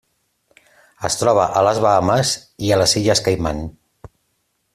Es troba a les Bahames i a les Illes Caiman.